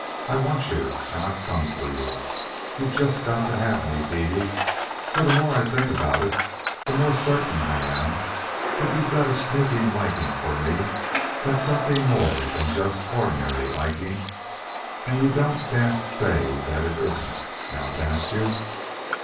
"I want you and I've come for you. You've just got to have me, Dede, for the more I think about it the more certain I am that you've got a Sneaking liking for me that's something more than just Ordinary liking. And you don't dast say that it isn't; now dast you?"